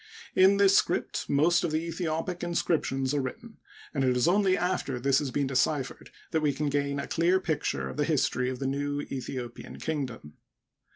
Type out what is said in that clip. In this script most of the Aethiopic inscriptions are written, and it is only after this has been deciphered that we can give a clear picture of the history of the new Aethiopian kingdom.